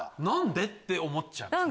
何で？って思っちゃう。